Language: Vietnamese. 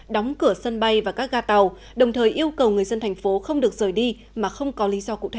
đóng cửa sân bay và các ga tàu đồng thời yêu cầu người dân thành phố không được rời đi mà không có lý do cụ thể